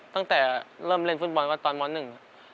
ตั้งแต่เริ่มเล่นฟุตบอลก็ตอนมหนึ่ง